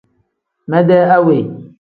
Mede awe.